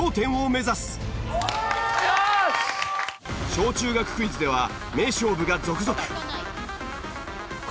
小中学クイズでは名勝負が続々。